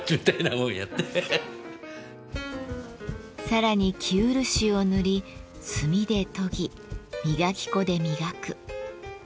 さらに生漆を塗り炭で研ぎ磨き粉で磨く。